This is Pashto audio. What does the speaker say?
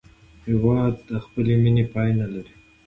هېواد د خپلې مینې پای نه لري.